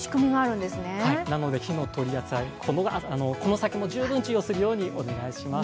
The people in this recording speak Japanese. なので、火の取り扱いこの先も十分注意するようにお願いいたします。